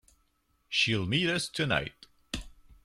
She'll meet us tonight.